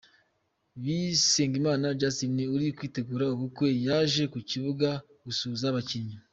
Bisengimana Justin uri kwitegura ubukwe yaje ku kibuga gusuhuza abakinnyi.